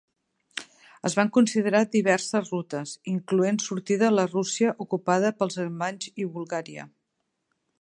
Es van considerar diverses rutes, incloent sortir de la Rússia ocupada pels alemanys i Bulgària.